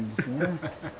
ハハハハ。